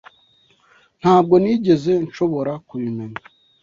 Ntabwo nigeze nshobora kubimenya.